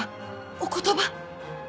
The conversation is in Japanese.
お言葉